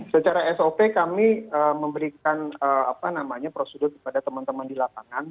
secara sop kami memberikan prosedur kepada teman teman di lapangan